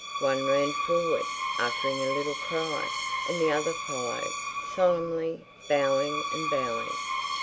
One ran forward, uttering a little cry, and the other followed, solemnly bowing and bowing.